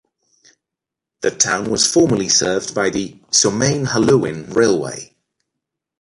The town was formerly served by the Somain-Halluin Railway.